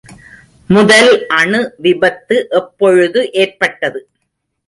முதல் அணு விபத்து எப்பொழுது ஏற்பட்டது?